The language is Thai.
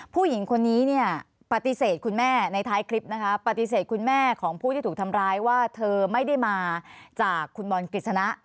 ผู้หญิงคนนี้เนี่ยปฏิเสธคุณแม่ในท้ายคลิปนะคะปฏิเสธคุณแม่ของผู้ที่ถูกทำร้ายว่าเธอไม่ได้มาจากคุณบอลกฤษณะ